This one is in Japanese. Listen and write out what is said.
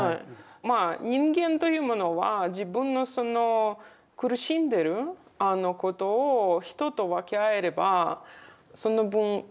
まあ人間というものは自分のその苦しんでることを人と分け合えればその分軽くなりますから。